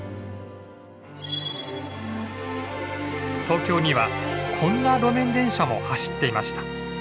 東京にはこんな路面電車も走っていました。